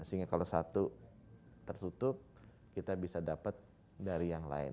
sehingga kalau satu tertutup kita bisa dapat dari yang lain